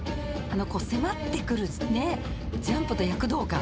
こう迫ってくるジャンプと躍動感。